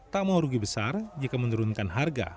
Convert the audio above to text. tak mau rugi besar jika menurunkan harga